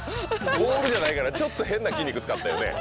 ボールじゃないからちょっと変な筋肉使ったよね。